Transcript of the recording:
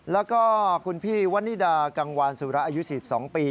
แล้วก็คุณพี่วันนิดากังวานสุระอายุ๔๒ปี